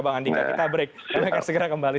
bang andika kita break kami akan segera kembali